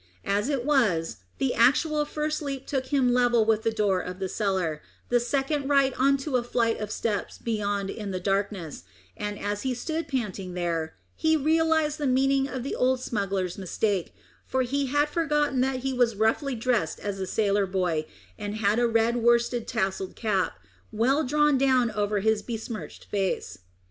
As it was, the actual first leap took him level with the door of the cellar, the second right on to a flight of steps beyond in the darkness, and as he stood panting there, he realised the meaning of the old smuggler's mistake; for he had forgotten that he was roughly dressed as a sailor boy, and had a red worsted tasselled cap, well drawn down over his besmirched face.